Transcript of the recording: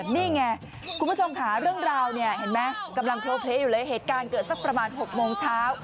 นี่ไงคุณผู้ชมขาเรื่องราวอยู่แหละเฮดการเกิดถึงประมาณ๖โมงเช้า